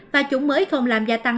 và chủng mới không làm gia tăng